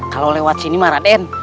kalau lewat sini raden